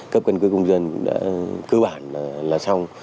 cấp căn cước công dân cũng đã cơ bản là xong